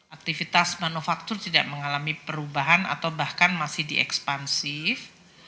aktivitas manufaktur tidak mengalami perubahan atau bahkan masih diekspansif